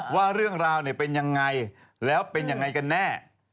ว่าเรื่องราวเป็นยังไงแล้วเป็นยังไงกันแน่